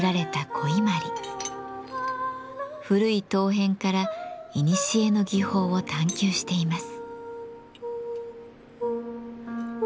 古い陶片からいにしえの技法を探求しています。